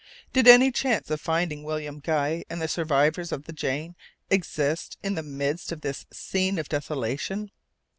Did any chance of finding William Guy and the survivors of the Jane exist in the midst of this scene of desolation?